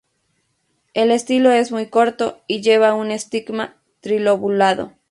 El estilo es muy corto y lleva un estigma trilobulado.